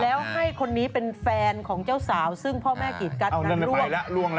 แล้วให้คนนี้เป็นแฟนของเจ้าสาวซึ่งพ่อแม่กีดกัสนั้นด้วย